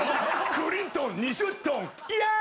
「クリントン２０トン」イエーイ！